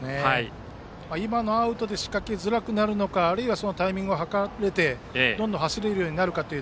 今のアウトで仕掛けづらくなるのかあるいはそのタイミングを図れてどんどん走れるようになるか。